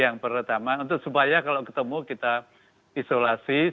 yang pertama untuk supaya kalau ketemu kita isolasi